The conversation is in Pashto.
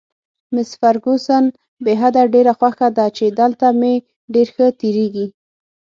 مس فرګوسن: بې حده، ډېره خوښه ده چې دلته مې ډېر ښه تېرېږي.